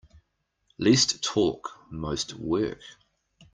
Least talk most work.